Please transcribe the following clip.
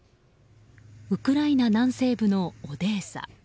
ウクライナ南西部のオデーサ。